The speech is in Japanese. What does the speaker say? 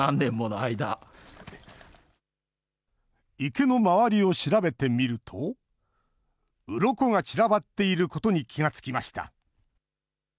池の周りを調べてみると、うろこが散らばっていることに気が付きました。